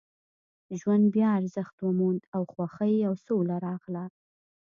ژوند بیا ارزښت وموند او خوښۍ او سوله راغله